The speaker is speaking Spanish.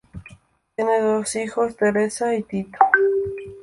Tiene dos hijos, Teresa y Tito.